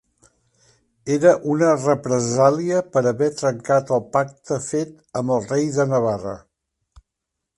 Era una represàlia per haver trencat el pacte fet amb el rei de Navarra.